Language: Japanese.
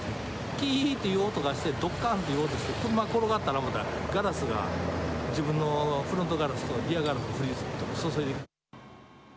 きーという音がして、どかんという音して、車転がったなと思ったら、ガラスが自分のフロントガラスとリアガラス、降り注いできた。